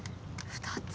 ２つ。